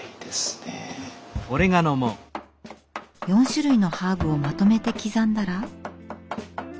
４種類のハーブをまとめて刻んだら。